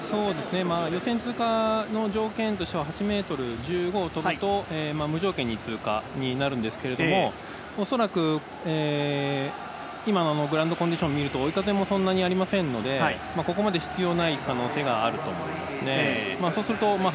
予選通過の条件としては８ｍ１５と無条件に通過になるんですけれど、今のグラウンドコンディションを見ると追い風もそんなにありませんのでここまで必要がない可能性があります。